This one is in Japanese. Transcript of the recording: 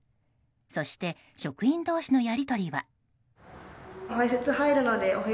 そして職員同士のやり取りは。